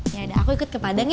ya udah aku ikut ke padang ya